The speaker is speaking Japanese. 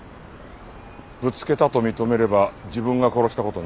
ぶつけたと認めれば自分が殺した事になる。